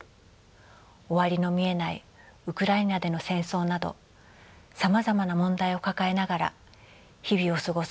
終わりの見えないウクライナでの戦争などさまざまな問題を抱えながら日々を過ごす